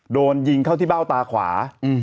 โดนยิงเข้าที่เบ้าตาขวา